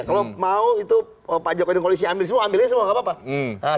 kalau mau itu pak jokowi dan koalisi ambil semua ambilnya semua gak apa apa